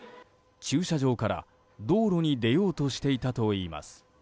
駐車場から道路に出ようとしていたといいます。